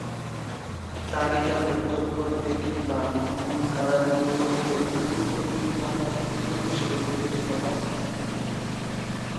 তালিকাভুক্ত প্রত্যেক ইমাম মূলধারার বিবরণীতে পূর্ববর্তী ইমামের পুত্র হিসাবে বিবেচিত হন।